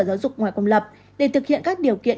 giáo dục ngoài công lập để thực hiện các điều kiện